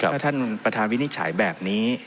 ถ้าท่านประธานวินิจฉัยแบบนี้